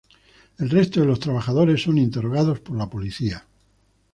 El resto de los trabajadores son interrogados por la policía.